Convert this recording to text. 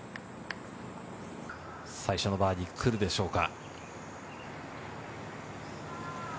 最初のバーディー、来るでしょうか。